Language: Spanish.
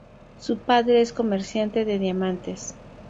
Su padre es comerciante de diamantes.